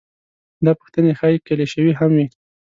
دا پوښتنې ښايي کلیشوي هم وي.